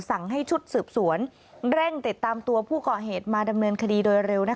สั่งให้ชุดสืบสวนเร่งติดตามตัวผู้ก่อเหตุมาดำเนินคดีโดยเร็ว